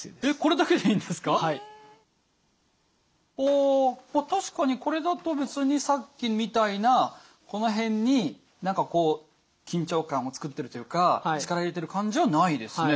ああ確かにこれだと別にさっきみたいなこの辺に何かこう緊張感を作ってるというか力入れてる感じはないですね